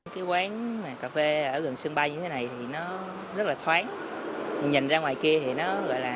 cái quán cà phê ở gần sân bay như thế này thì nó rất là thoáng nhìn ra ngoài kia thì nó gọi là